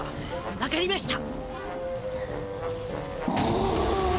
わかりました。